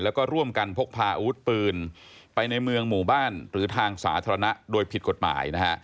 แล้วก็ร่วมกันพกพาอาวุธปืนไปในเมืองหมู่บ้านหรือทางสาธารณะโดยผิดกฎหมายนะฮะ